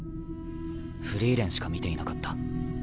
フリーレンしか見ていなかった。